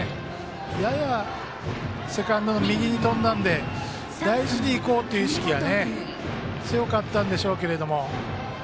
ややセカンドの右に飛んだので大事にいこうっていう意識は強かったんでしょうけど。